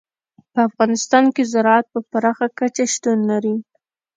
په افغانستان کې زراعت په پراخه کچه شتون لري.